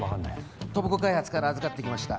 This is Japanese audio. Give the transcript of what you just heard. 戸部子開発から預かってきました